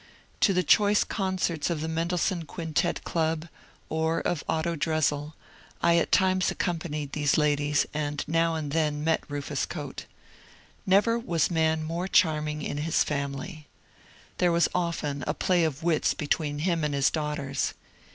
To the choice concerts of the Mendelssohn Quintette Club, or of Otto Dresel, I at times ac companied these ladies, and now and then met Ruf us Choate. Never was man more charming in his family. There was often a play of wits between him and his daughters.